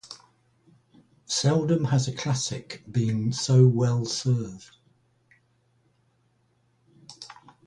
Seldom has a classic been so well served.